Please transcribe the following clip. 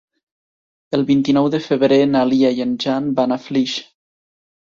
El vint-i-nou de febrer na Lia i en Jan van a Flix.